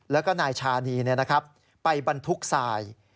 แล้วก็นายชานีนี่นะครับไปบรรทุกศัย